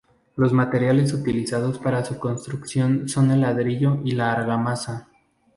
Los materiales utilizados para su construcción son el ladrillo y la argamasa.